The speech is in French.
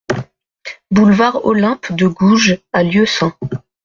Boulevard Olympe de Gouges à Lieusaint